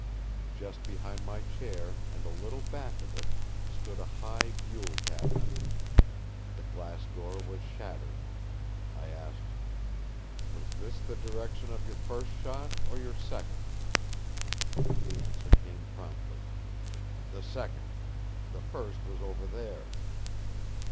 Just behind my chair, and a little back of it, stood a high buhl cabinet. The glass door was shattered. I asked: "Was this the direction of your first shot or your second?" The answer came promptly. "The second; the first was over there!"